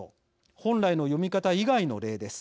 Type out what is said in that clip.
本来の読み方以外の例です。